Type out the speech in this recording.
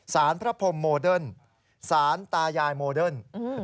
สารพระพรมโมเดิร์นสารตายายโมเดิร์น